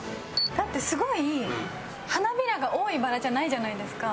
だってすごい花びらが多いバラじゃないじゃないですか。